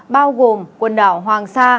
bao gồm quần đảo hoàng sa